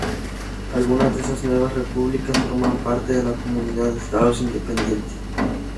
Algunas de esas nuevas repúblicas forman parte de la Comunidad de Estados Independientes.